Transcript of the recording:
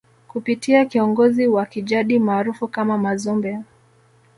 kupitia kiongozi wa kijadi maarufu kama Mazumbe